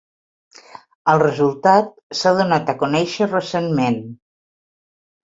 El resultat s’ha donat a conèixer recentment.